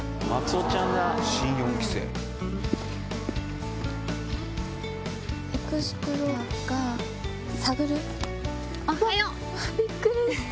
おはよう！びっくりした！